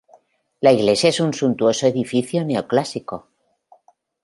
La iglesia es un suntuoso edificio neo clásico.